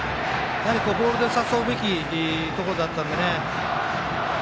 ボールで誘うべきところだったんでね。